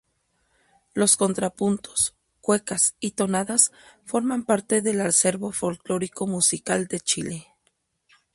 Los contrapuntos, cuecas y tonadas forman parte del acervo folclórico musical de Chile.